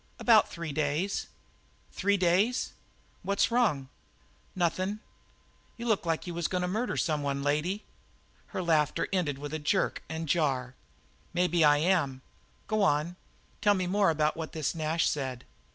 "About three days." "Three days?" "What's wrong?" "Nothin'." "You look like you was goin' to murder some one, lady." Her laughter ended with a jerk and jar. "Maybe I am. G'wan! Tell me some more about what Nash said."